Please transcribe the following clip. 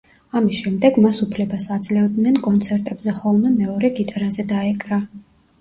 ამის შემდეგ მას უფლებას აძლევდნენ კონცერტებზე ხოლმე მეორე გიტარაზე დაეკრა.